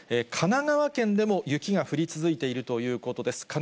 神奈川県でも雪が降り続いているということです。